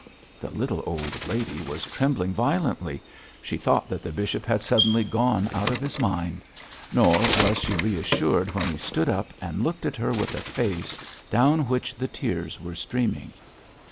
The little old lady was trembling violently. She thought that the bishop had suddenly gone out of his mind. Nor was she reassured when he stood up and looked at her with a face, down which the tears were streaming.